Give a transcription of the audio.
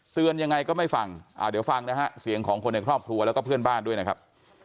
ยังไงก็ไม่ฟังเดี๋ยวฟังนะฮะเสียงของคนในครอบครัวแล้วก็เพื่อนบ้านด้วยนะครับ